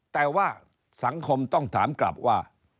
แต่ว่าสังคมต้องถามกลับว่า